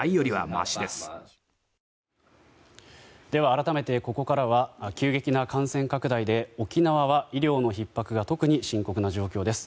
改めて、ここからは急激な感染拡大で沖縄は医療のひっ迫が特に深刻な状況です。